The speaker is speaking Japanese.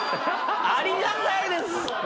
ありがたいです。